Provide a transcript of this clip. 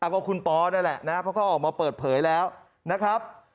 ก็คุณปนั่นแหละเขาก็ออกมาเปิดเผยแล้วนะครับ